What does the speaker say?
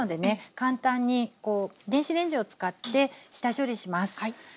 簡単に電子レンジを使って下処理します。